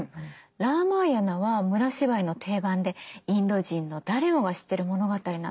「ラーマーヤナ」は村芝居の定番でインド人の誰もが知っている物語なの。